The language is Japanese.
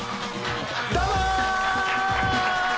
どうも！